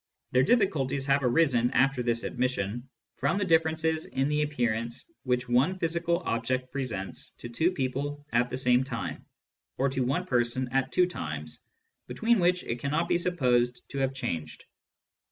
Their difficulties have arisen after this admission, from the differences in the appearance which one physical object presents to two people at the same time, or to one person at two times between which it cannot be supposed to have changed.